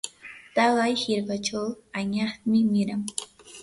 taqay hirkachaw añasmi miran.